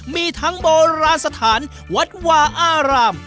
มีทั้งโบราณสถานวัดวาอาราม